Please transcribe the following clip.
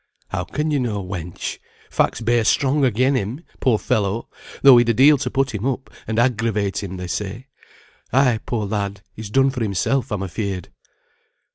"How can you know, wench? Facts bear strong again him, poor fellow, though he'd a deal to put him up, and aggravate him, they say. Ay, poor lad, he's done for himself, I'm afeared."